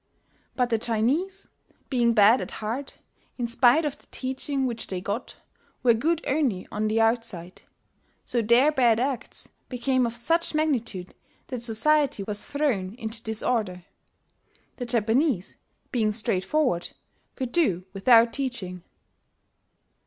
But the Chinese, being bad at heart, in spite of the teaching which they got, were good only on the outside; so their bad acts became of such magnitude that society was thrown into disorder. The Japanese, being straightforward, could do without teaching."